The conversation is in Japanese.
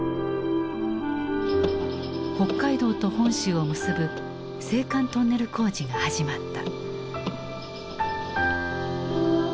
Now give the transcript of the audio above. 北海道と本州を結ぶ青函トンネル工事が始まった。